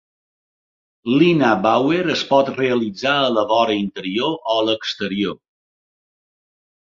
L'Ina Bauer es pot realitzar a la vora interior o a l'exterior.